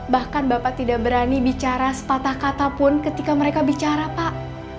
bahkan bapak tidak berani bicara sepatah kata pun ketika mereka bicara pak